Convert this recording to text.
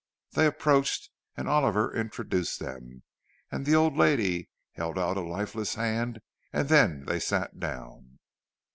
They approached, and Oliver introduced them, and the old lady held out a lifeless hand; and then they sat down.